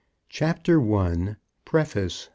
CHAPTER I. PREFACE.